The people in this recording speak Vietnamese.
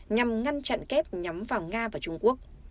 nhằm ngăn chặn kép nhắm vào nga và trung quốc